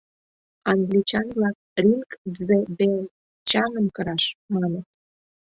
Англичан-влак «ринг дзе белл» — чаҥым кыраш, маныт.